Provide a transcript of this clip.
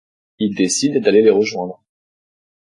Il décide d'aller les rejoindre.